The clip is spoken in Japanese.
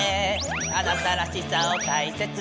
「あなたらしさをたいせつに」